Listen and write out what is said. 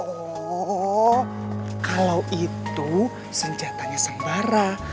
oh kalau itu senjatanya sembara